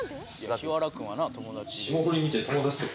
「檜原君はな友達」